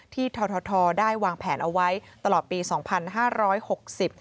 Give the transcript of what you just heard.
ที่ทอทอทอได้วางแผนเอาไว้ตลอดปี๒๕๖๐